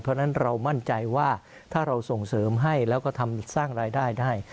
เพราะฉะนั้นเรามั่นใจว่าถ้าเราส่งเสริมให้แล้วก็ทำสร้างรายได้ได้